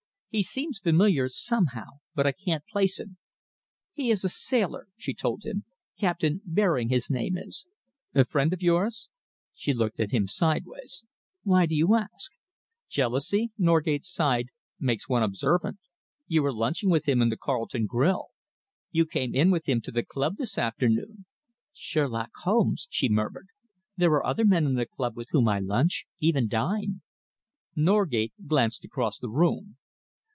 He seems familiar, somehow, but I can't place him." "He is a sailor," she told him. "Captain Baring his name is." "Friend of yours?" She looked at him sidewise. "Why do you ask?" "Jealousy," Norgate sighed, "makes one observant. You were lunching with him in the Carlton Grill. You came in with him to the club this afternoon." "Sherlock Holmes!" she murmured. "There are other men in the club with whom I lunch even dine." Norgate glanced across the room.